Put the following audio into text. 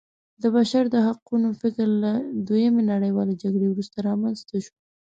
د بشر د حقونو فکر له دویمې نړیوالې جګړې وروسته رامنځته شو.